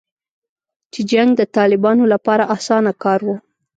چې جنګ د طالبانو لپاره اسانه کار و